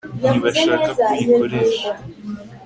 ntibashaka ko uyikoresha